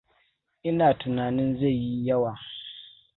Ina tunanin zai yi yawa.